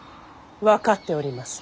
分かっております。